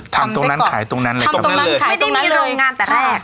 ทำตรงนั้นขายตรงนั้นเลยไม่ได้มีโรงงานแต่แรก